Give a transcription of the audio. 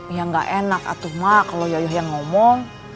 ya gak enak atuh mak kalau yoyoh yang ngomong